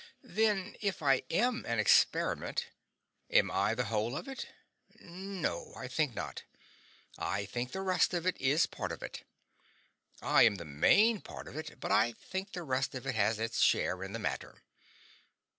Then if I am an experiment, am I the whole of it? No, I think not; I think the rest of it is part of it. I am the main part of it, but I think the rest of it has its share in the matter.